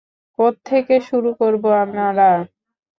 কোত্থেকে শুরু করবো আমরা?